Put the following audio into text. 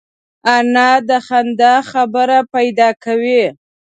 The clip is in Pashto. انا د خندا خبره پیدا کوي